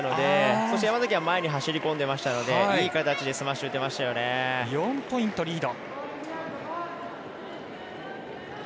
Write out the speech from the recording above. そして山崎は前に走りこんでいましたので４ポイントリード。